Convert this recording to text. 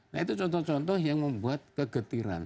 nah itu contoh contoh yang membuat kegetiran